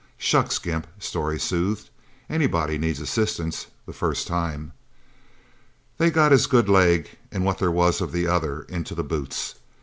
"Shucks, Gimp," Storey soothed. "Anybody needs assistance the first time..." They got his good leg, and what there was of the other, into the boots.